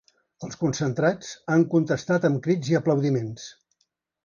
Els concentrats han contestat amb crits i aplaudiments.